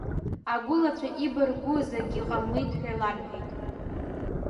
Агәылацәа ибаргәыз акгьы ҟамлеит ҳәа ларҳәеит.